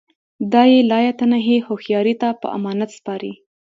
دا یې لایتناهي هوښیاري ته په امانت سپاري